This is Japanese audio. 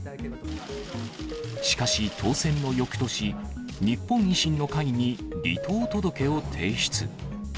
しかし、当選のよくとし、日本維新の会に離党届を提出。